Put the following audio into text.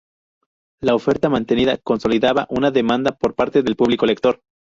La oferta mantenida consolidaba una demanda por parte del público lector.